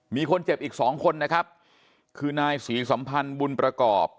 มีคนเจ็บอีกสองคนนะครับคือนายศรีสัมพันธ์บุญประกอบ